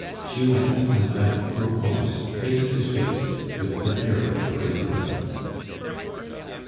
She went and left poor Pons face to face with the terrible Presidente.